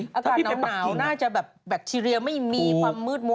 ศิษย์อากาศน้อนหนาวน่าจะแบทที่เรียนมัก้อยไม่มีความมืดมั่ว